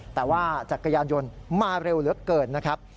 แต่ว่าจักรยานยนต์มาเร็วเหลือเกินนะครับ